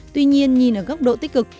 tuy nhiên nhìn ở góc độ tích cực